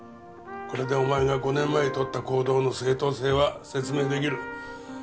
これでお前が５年前に取った行動の正当性は説明出来る。